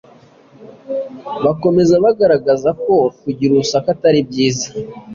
Bakomeza bagaragaza ko kugira urusaku Atari byiza